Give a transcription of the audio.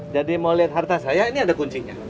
jadi mau liat harta saya ini ada kuncinya